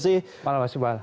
selamat malam mas ibal